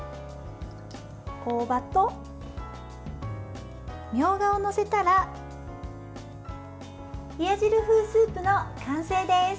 大葉とみょうがを載せたら冷や汁風スープの完成です。